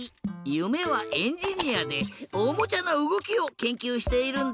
ゆめはエンジニアでおもちゃのうごきをけんきゅうしているんだって！